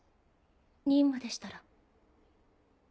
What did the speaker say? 任務でしたら。